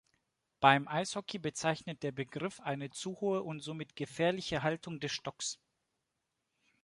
Beim Eishockey bezeichnet der Begriff eine zu hohe und somit gefährliche Haltung des Stocks.